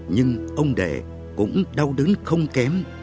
nhưng ông đệ cũng đau đớn không kém